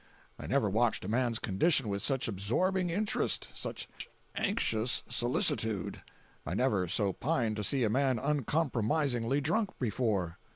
I never watched a man's condition with such absorbing interest, such anxious solicitude; I never so pined to see a man uncompromisingly drunk before.